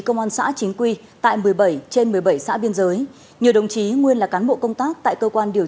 công an xã chính quy tại một mươi bảy trên một mươi bảy xã biên giới nhiều đồng chí nguyên là cán bộ công tác tại cơ quan điều